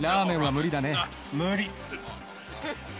無理！